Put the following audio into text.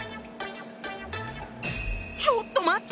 ちょっと待って。